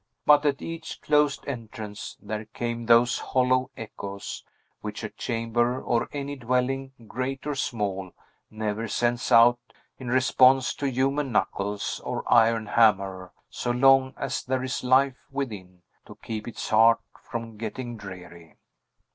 But, at each closed entrance, there came those hollow echoes, which a chamber, or any dwelling, great or small, never sends out, in response to human knuckles or iron hammer, as long as there is life within to keep its heart from getting dreary.